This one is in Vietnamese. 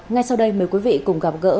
ngay sau đây mời quý vị cùng gặp gỡ